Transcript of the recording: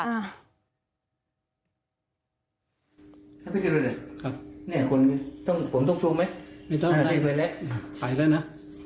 นี่หรือเปล่าเดียวผมต้องพบไหมอาทิตย์ไปแล้วนะ